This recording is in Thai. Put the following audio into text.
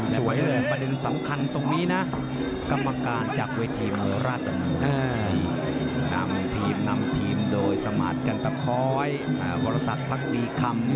จันตะคอยหัวศักดิ์พรรษภักดีคำ